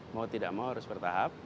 mau tidak mau harus bertahap